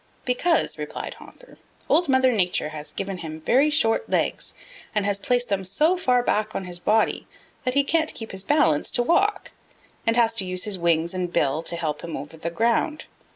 "Because," replied Honker, "Old Mother Nature has given him very short legs and has placed them so far back on his body that he can't keep his balance to walk, and has to use his wings and bill to help him over the ground.